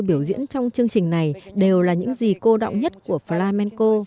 những điều diễn trong chương trình này đều là những gì cô đọng nhất của flamenco